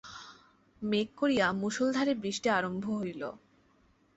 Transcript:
মেঘ করিয়া মুষলধারে বৃষ্টি আরম্ভ হইল।